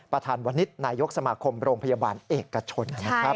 ประธานวันนิสร์นายกสมาคมโรงพยาบาลเอกชน